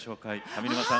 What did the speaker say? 上沼さん